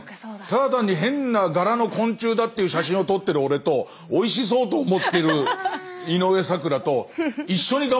ただ単に変な柄の昆虫だっていう写真を撮ってる俺とおいしそうと思ってる井上咲楽と一緒にがんばろうになった。